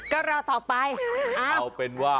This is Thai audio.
ก็รอต่อไป